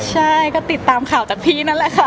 ใช่ก็ติดตามข่าวจากพี่นั่นแหละค่ะ